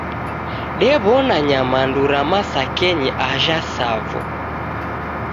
Dewona nyamandu ra masakenyi ajha Tsavo